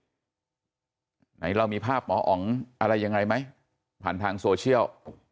ไหนเรามีภาพหมออ๋องอะไรยังไงไหมผ่านทางโซเชียล